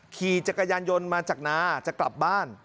ขี่จักรยานยนต์มาจากนาจะกลับบ้าน